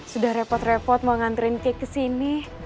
sudah repot repot mau nganterin kek kesini